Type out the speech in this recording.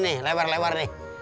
ini lebar lebar